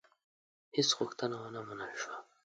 هیڅ غوښتنه ونه منل شوه.